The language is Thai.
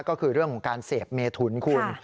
ก็คือเรื่องของการเสพเมถุนคุณ